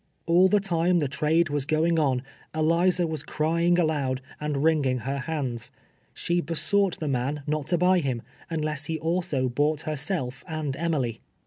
All the time the trade was going on, Eliza "was cr^'ing alond, and wringing her liands. She hesonglit the man not to Iniy him, unless he also bought herself and Emily.